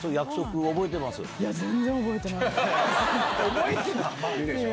覚えてたでしょ？